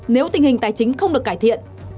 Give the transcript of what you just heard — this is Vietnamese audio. nếu tình hình tài chính không được cải thiện